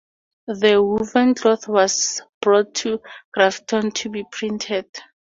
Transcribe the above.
The woven cloth was brought to Cranston to be printed.